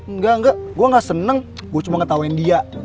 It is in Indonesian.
nggak nggak gue nggak seneng gue cuma ngetawain dia